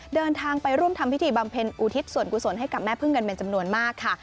เดินทางไปร่วมทำพิธีบำเพ็ญอุทิศส่วนกุศลให้กับแม่พึ่งกันเป็นจำนวนมากค่ะ